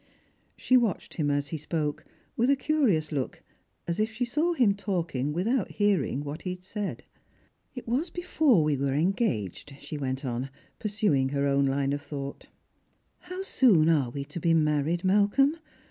She watched him as he spoke, with a curious look, as if she saV him talking without hearing what he said. " It was before we were engaged," she went on, pursuing her own line of thought. " How soon are we to be married, Mal colm